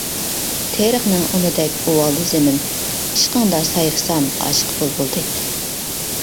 تېرىقنىڭ ئۇنىدەك ئۇۋالدى زېمىن، ئىشقىڭدا سايرىسام ئاشىق بۇلبۇلدەك.